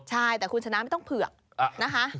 ใช่แต่คุณชนะไม่ต้องเผือกนะคะ